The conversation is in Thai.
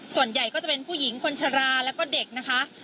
ส่วนใหญ่ก็จะเป็นผู้หญิงคนชราแล้วก็เด็กนะคะ